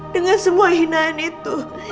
dengan semua hinaan itu